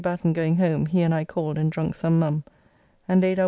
Batten going home, he and I called and drunk some mum [Mum.